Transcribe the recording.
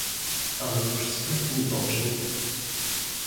"Ale już sklep mi obrzydł."